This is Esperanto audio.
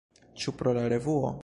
Ĉu pro la revuo?